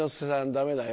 ダメだよ。